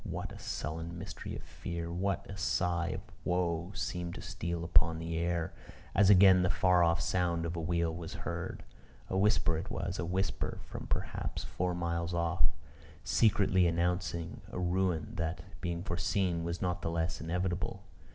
what a sullen mystery of fear, what a sigh of woe, seemed to steal upon the air, as again the far off sound of a wheel was heard! A whisper it was a whisper from, perhaps, four miles off secretly announcing a ruin that, being foreseen, was not the less inevitable.